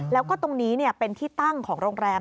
แล้วก็ตรงนี้เป็นที่ตั้งของโรงแรม